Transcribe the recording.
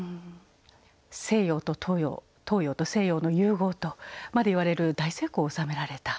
西洋と東洋東洋と西洋の融合とまでいわれる大成功を収められた。